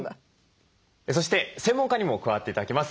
そして専門家にも加わって頂きます。